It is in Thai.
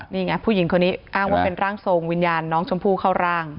นี่ไงผู้หญิงคนนี้อ้างว่าเป็นร่างทรงวิญญาณน้องชมพู่เข้าร่าง